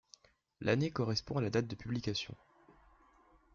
L'année correspond à la date de publication.